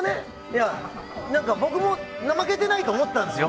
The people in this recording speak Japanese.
僕も怠けてないと思ってたんですよ。